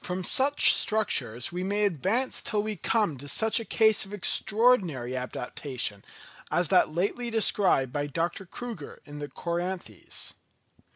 From such structures we may advance till we come to such a case of extraordinary adaptation as that lately described by Dr. Crüger in the Coryanthes.